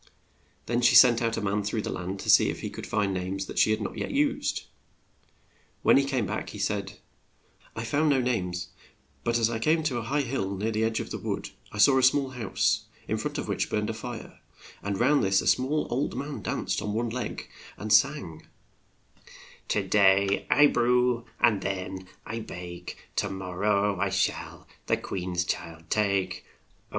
Then she sent out a man through the land to see if he could find names that she had not yet used. When he came back he said, "I have found no names, but as I came to a high hill near the edge of a wood, I saw a small house, in front of which a fire burned, and round this fire a small old man danced on one leg and sang :" To day I brew, and then I bake, To mor row I shall the queen's child take ; Oh